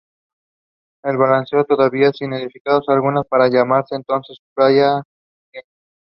El balneario, todavía sin edificación alguna, pasa a llamarse entonces "Playa Unión".